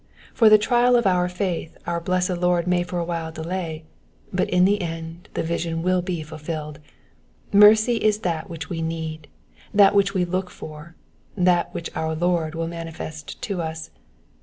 For the trial of our faith our blessed Lord may for awhile delay, but in the end the vision will be fulfilled. Mercy is that which we need, that which we look for, that which our Lord will manifest to us.